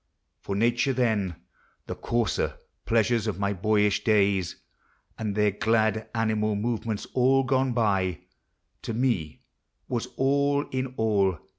For nature then (The coarser pleasures of H1J boyish days And their glad animal movements all gone by) Tome was all in all.